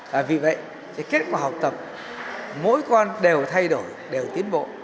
và vì vậy kết quả học tập mỗi con đều thay đổi đều tiến bộ